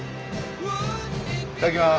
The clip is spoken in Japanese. いただきます！